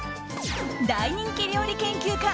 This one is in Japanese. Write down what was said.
大人気料理研究家